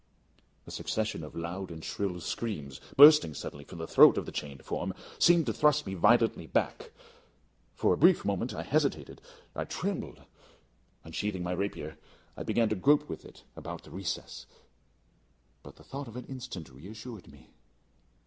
A succession of loud and shrill screams, bursting suddenly from the throat of the chained form, seemed to thrust me violently back. For a brief moment I hesitated I trembled. Unsheathing my rapier, I began to grope with it about the recess; but the thought of an instant reassured me.